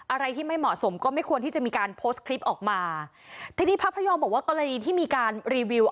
อะไรที่ไม่เหมาะสมก็ไม่ควรที่จะมีการโพสต์คลิปออกมาทีนี้พระพยอมบอกว่ากรณีที่มีการรีวิว